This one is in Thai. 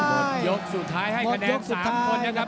หมดยกสุดท้ายให้คะแนน๓คนนะครับ